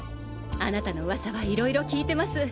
あなたの噂はいろいろ聞いてます。